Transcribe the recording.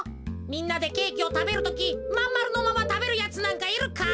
みんなでケーキをたべるときまんまるのままたべるやつなんかいるか？